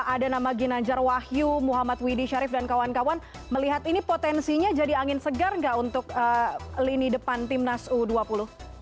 ada nama ginanjar wahyu muhammad widi syarif dan kawan kawan melihat ini potensinya jadi angin segar nggak untuk lini depan timnas u dua puluh